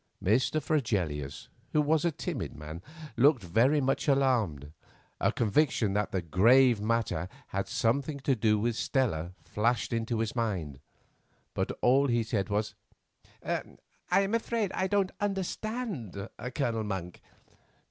Mr. Fregelius, who was a timid man, looked very much alarmed. A conviction that the "grave matter" had something to do with Stella flashed into his mind, but all he said was: "I am afraid I don't understand, Colonel Monk."